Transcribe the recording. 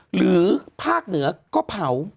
หรือภาคเหนือก็เผา